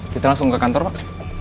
kita langsung ke kantor pak